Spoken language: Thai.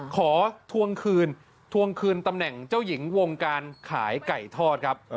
ทวงคืนทวงคืนตำแหน่งเจ้าหญิงวงการขายไก่ทอดครับ